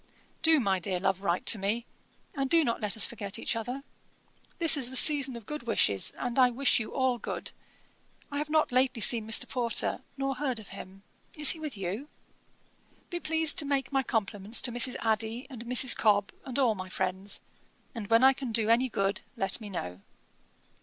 'Do, my dear love, write to me; and do not let us forget each other. This is the season of good wishes, and I wish you all good. I have not lately seen Mr. Porter, nor heard of him. Is he with you? 'Be pleased to make my compliments to Mrs. Adey, and Mrs. Cobb, and all my friends; and when I can do any good, let me know.